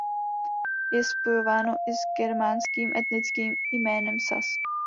Je spojováno i s germánským etnickým jménem "Sas".